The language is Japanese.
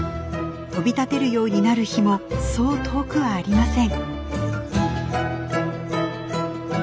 飛び立てるようになる日もそう遠くはありません。